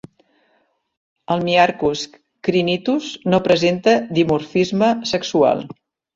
El myiarchus crinitus no presenta dimorfisme sexual.